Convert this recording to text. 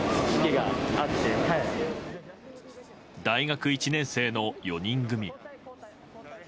大学１年生の４人組。